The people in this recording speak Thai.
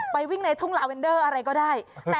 วิ่งในทุ่งลาเวนเดอร์อะไรก็ได้